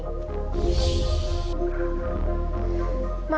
berikutnya tetap menjaga keamanan